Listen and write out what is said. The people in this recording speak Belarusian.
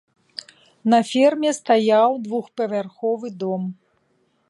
На ферме стаяў двухпавярховы дом.